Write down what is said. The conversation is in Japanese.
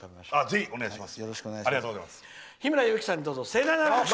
ぜひお願いします。